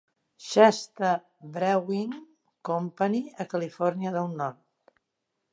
Shasta Brewing Company a Califòrnia del Nord.